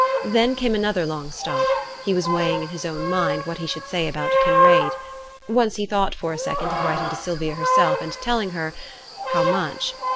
Then came another long stop; he was weighing in his own mind what he should say about Kinraid. Once he thought for a second of writing to Sylvia herself, and telling her how much?